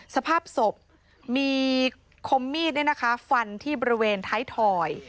สภาพสบมีคมมีดเนี่ยนะคะฟันที่บริเวณท้ายถอย